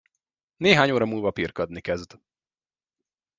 Néhány óra múlva pirkadni kezd.